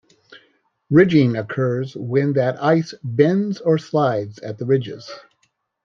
Ridging occurs when that ice bends or slides at the ridges.